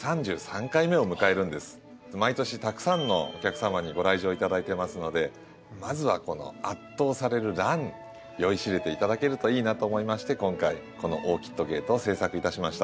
毎年たくさんのお客様にご来場頂いてますのでまずはこの圧倒されるラン酔いしれて頂けるといいなと思いまして今回この「オーキット・ゲート」を制作いたしました。